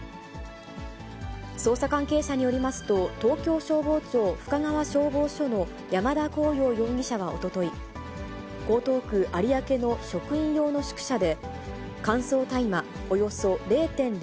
捜査関係者によりますと、東京消防庁深川消防署の消防士、山田虹桜容疑者はおととい、江東区有明の職員用の宿舎で、乾燥大麻